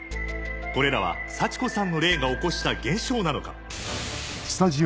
これらは幸子さんの霊が起こした現象なのか？